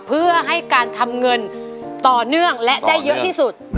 เพื่อให้การทำเงินต่อเนื่องและได้เยอะที่สุด